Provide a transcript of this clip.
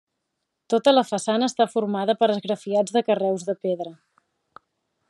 Tota la façana està formada per esgrafiats de carreus de pedra.